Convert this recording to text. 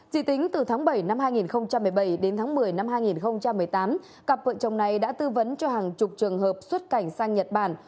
chỉ tính từ tháng bảy năm hai nghìn một mươi bảy đến tháng một mươi năm hai nghìn một mươi tám cặp vợ chồng này đã tư vấn cho hàng chục trường hợp xuất cảnh sang nhật bản